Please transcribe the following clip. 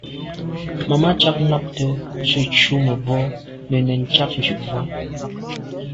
Màmá cák nâptə̄ tsə̂ cú mə̀bró nə̀ nɛ̌n cɑ̌k dʉ̀ vwá.